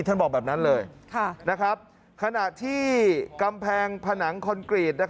บอกแบบนั้นเลยขณะที่กำแพงผนังคอนกรีต